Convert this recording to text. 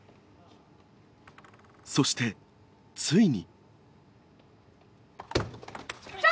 そしてついに。